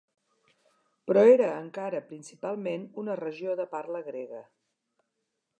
Però era encara principalment una regió de parla grega.